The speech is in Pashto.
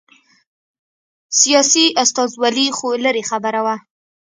سیاسي استازولي خو لرې خبره وه.